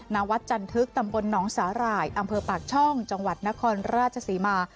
ณวัดจันทึกตำบลหนองสาหร่ายอำเภอปากช่องจังหวัดนครราชศรีมา